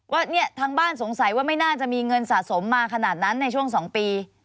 ว่าเนี่ยทางบ้านสงสัยว่าไม่น่าจะมีเงินสะสมมาขนาดนั้นในช่วง๒ปี